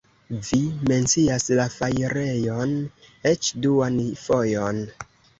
Vi mencias la fajrejon eĉ duan fojon.